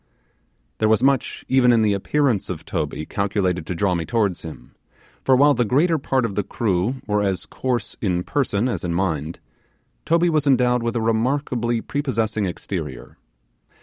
There was much even in the appearance of Toby calculated to draw me towards him, for while the greater part of the crew were as coarse in person as in mind, Toby was endowed with a remarkably prepossessing exterior.